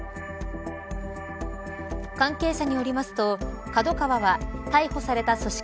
関係者によりますとＫＡＤＯＫＡＷＡは逮捕された組織